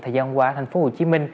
thời gian qua tp hcm